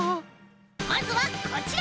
まずはこちら！